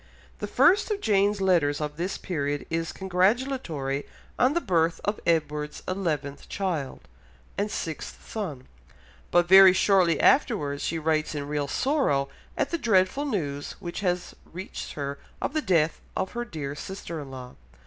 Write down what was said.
The first of Jane's letters of this period is congratulatory on the birth of Edward's eleventh child, and sixth son, but very shortly afterwards she writes in real sorrow at the dreadful news which has reached her of the death of her dear sister in law.